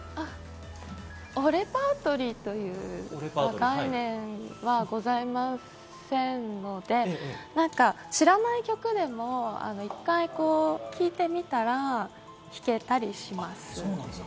おレパートリーという概念はございませんので、知らない曲でも１回聴いてみたら、弾けたりします。